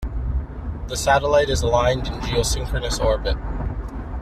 The Satellite is aligned in geosynchronous orbit.